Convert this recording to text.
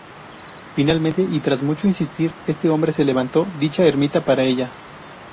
Finalmente y tras mucho insistir este hombre, se levantó dicha ermita para ella.